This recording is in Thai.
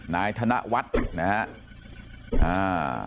นายธนวัฒน์นะครับ